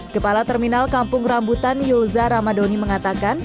kepala terminal kampung rambutan yulza ramadhani mengatakan